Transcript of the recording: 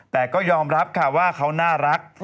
แต่ก็ยอมรับค่ะว่าเขาน่ารัก